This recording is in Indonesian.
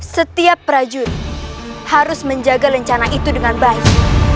setiap prajurit harus menjaga lencana itu dengan baik